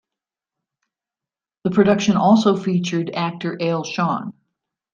The production also featured actor Al Shean.